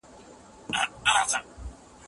څنګه شفافيت رامنځته کړو؟